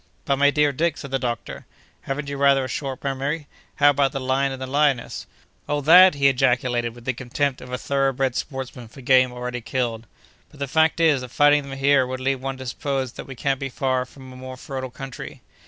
"But, my dear Dick," said the doctor, "haven't you rather a short memory? How about the lion and the lioness?" "Oh, that!" he ejaculated with the contempt of a thorough bred sportsman for game already killed. "But the fact is, that finding them here would lead one to suppose that we can't be far from a more fertile country."